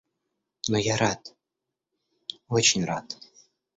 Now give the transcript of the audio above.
Но я рад, очень рад.